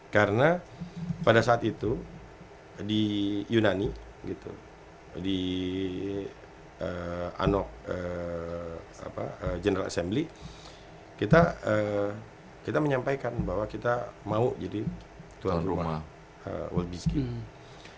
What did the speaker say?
karena pada saat itu di yunani di anog general assembly kita menyampaikan bahwa kita mau jadi tuan rumah world beach games